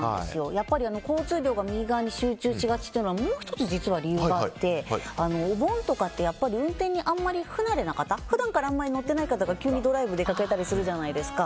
交通量が右側に集中しがちというのはもう１つ実は理由があってお盆って運転に不慣れな方、普段からあまり乗られていない方が急にドライブに出かけたりするじゃないですか。